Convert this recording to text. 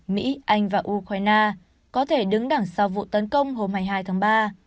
mỹ anh và ukraine có thể đứng đằng sau vụ tấn công hôm một mươi hai tháng ba